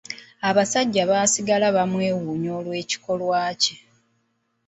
Abasajja baasigala bamwewuunya olw'ekikolwa kye.